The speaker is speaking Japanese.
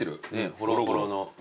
ホロホロの。